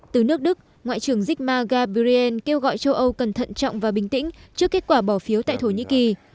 từ nước đức ngoại trưởng zikma gabriel kêu gọi châu âu cần thận trọng và bình tĩnh trước kết quả bỏ phiếu tại thổ nhĩ kỳ